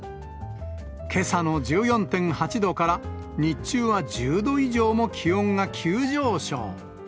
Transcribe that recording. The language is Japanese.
けさの１４．８度から日中は１０度以上も気温が急上昇。